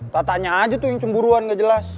tatanya aja tuh yang cemburuan gak jelas